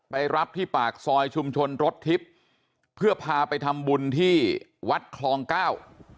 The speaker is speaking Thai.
รับที่ปากซอยชุมชนรถทิพย์เพื่อพาไปทำบุญที่วัดคลองเก้า